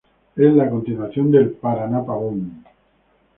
Es la continuación del Paraná Pavón.